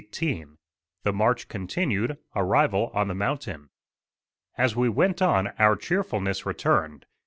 * *The March Continued; Arrival on the Mountain.* As we went on our cheerfulness returned.